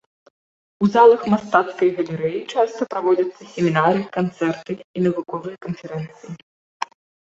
У залах мастацкай галерэі часта праводзяцца семінары, канцэрты і навуковыя канферэнцыі.